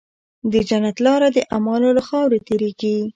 د جنت لاره د اعمالو له خاورې تېرېږي.